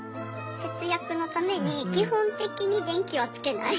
節約のために基本的に電気はつけない。